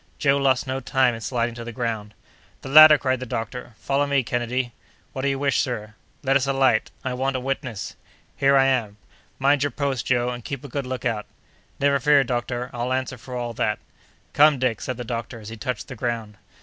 Joe lost no time in sliding to the ground. "The ladder!" cried the doctor. "Follow me, Kennedy." "What do you wish, sir?" "Let us alight. I want a witness." "Here I am!" "Mind your post, Joe, and keep a good lookout." "Never fear, doctor; I'll answer for all that." "Come, Dick," said the doctor, as he touched the ground.